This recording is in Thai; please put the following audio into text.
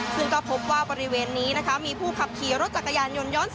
ซึ่งก็พบว่าบริเวณนี้นะคะมีผู้ขับขี่รถจักรยานยนต์ย้อนสอน